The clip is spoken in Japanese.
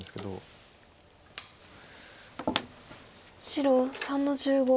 白３の十五。